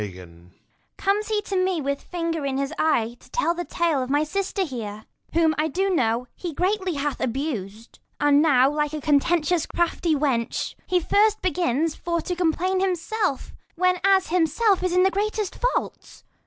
Comes he to me with finger in the eye, To tell a tale against my sister here ? 45 Sc. m] HIS THREE DAUGHTERS 47 Whom I do know, he greatly hath abus'd : And now like a contentious crafty wretch, He first begins for to complain himself, Whenas himself is in the greatest fault ?